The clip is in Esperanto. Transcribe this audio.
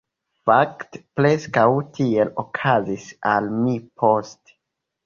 Fakte, preskaŭ tiel okazis al mi poste.